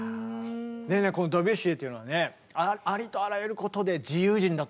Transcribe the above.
でねこのドビュッシーというのはねありとあらゆることで自由人だったんです。